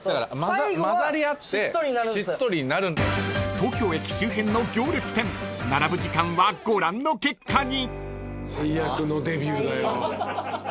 ［東京駅周辺の行列店並ぶ時間はご覧の結果に］